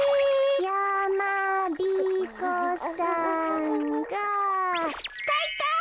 やまびこさんがかいか！